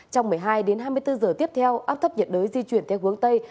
trong một mươi hai đến hai mươi bốn giờ tiếp theo áp thấp nhiệt đới di chuyển theo hướng tây